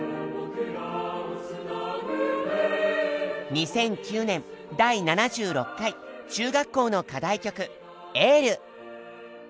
２００９年第７６回中学校の課題曲「ＹＥＬＬ」。